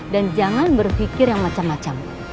dan jangan berfikir yang macam macam